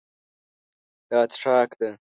دا څښاک ده.